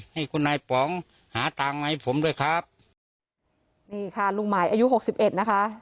ให้คุณนายป๋องหาตังค์มาให้ผมด้วยครับนี่ค่ะลุงหมายอายุหกสิบเอ็ดนะคะ